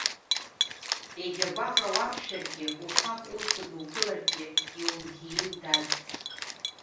Егьа гәаҟра уақәшәаргьы, ухахә узҭо дуԥыларгьы иумҭиин, дад.